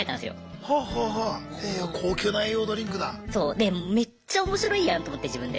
で「めっちゃおもしろいやん！」と思って自分で。